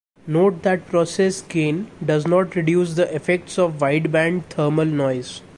Note that process gain does not reduce the effects of wideband thermal noise.